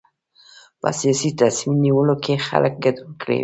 په سیاسي تصمیم نیولو کې خلک ګډون کوي.